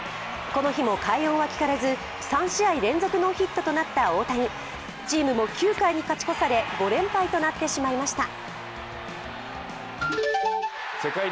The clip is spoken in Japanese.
この日も快音は聞かれず３試合連続ノーヒットとなった大谷チームも９回に勝ち越され５連敗となってしまいました。